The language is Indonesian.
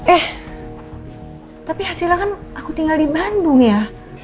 eh tapi hasilnya kan aku tinggal di bandung ya